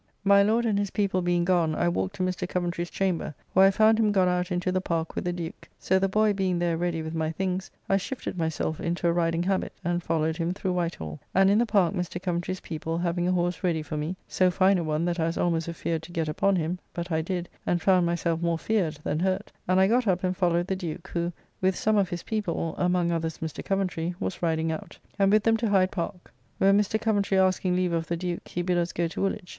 My Lord and his people being gone, I walked to Mr. Coventry's chamber, where I found him gone out into the Park with the Duke, so the boy being there ready with my things, I shifted myself into a riding habitt, and followed him through White Hall, and in the Park Mr. Coventry's people having a horse ready for me (so fine a one that I was almost afeard to get upon him, but I did, and found myself more feared than hurt) and I got up and followed the Duke, who, with some of his people (among others Mr. Coventry) was riding out. And with them to Hide Park. Where Mr. Coventry asking leave of the Duke, he bid us go to Woolwich.